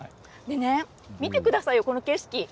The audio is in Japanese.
見てください、この景色。